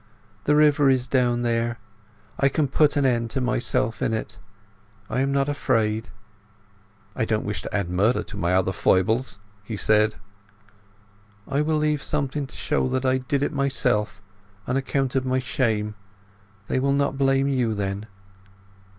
The river is down there. I can put an end to myself in it. I am not afraid." "I don't wish to add murder to my other follies," he said. "I will leave something to show that I did it myself—on account of my shame. They will not blame you then."